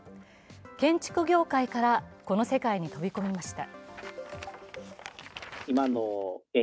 建築業界からこの世界に飛び込みました。